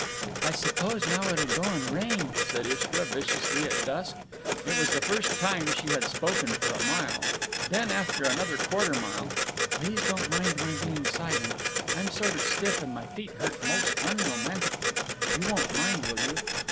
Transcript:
"I suppose now it'll go and rain," said Istra, viciously, at dusk. It was the first time she had spoken for a mile. Then, after another quarter mile: "Please don't mind my being silent. I'm sort of stiff, and my feet hurt most unromantically. You won't mind, will you?"